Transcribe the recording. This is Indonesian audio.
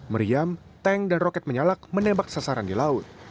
meriam tank dan roket menyalak menembak sasaran di laut